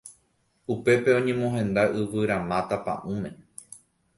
Upépe oñemohenda yvyramáta pa'ũme